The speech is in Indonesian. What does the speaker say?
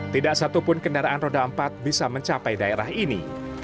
tidak satupun kendaraan roda empat bisa mencapai daerah ini